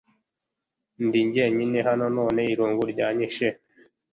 Ndi jyenyine hano, none irungu ryanyishe?